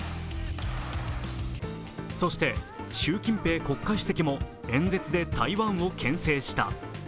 そして、習近平国家主席も演説で台湾をけん制した。